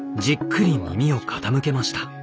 じっくり耳を傾けました。